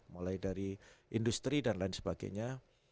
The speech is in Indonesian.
mulai dari industri dan lain sebagainya